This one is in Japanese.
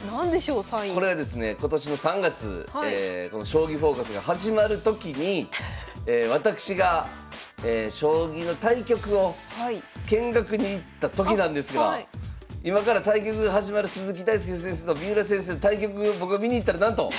これはですね今年の３月この「将棋フォーカス」が始まる時に私が将棋の対局を見学に行った時なんですが今から対局が始まる鈴木大介先生と三浦先生の対局を僕が見に行ったらなんと！